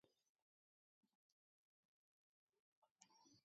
Klaustroa ospitale bihurtu eta eliza publiko bilakatu zen.